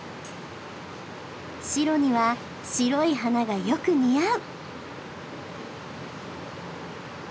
シロには白い花がよく似合う。